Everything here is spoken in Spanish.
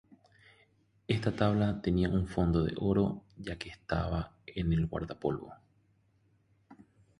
Esta tabla tenía un fondo de oro ya que estaba en el guardapolvo.